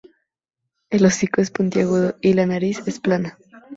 El hocico es puntiagudo, y la nariz es plana.